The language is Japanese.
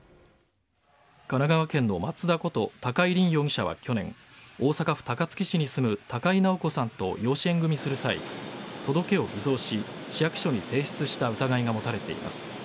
神奈川県の松田こと高井凜容疑者は去年大阪府高槻市に住む高井直子さんと養子縁組する際届けを偽造し市役所に提出した疑いが持たれています。